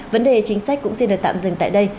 vấn đề chính sách cũng xin được tạm dừng tại đây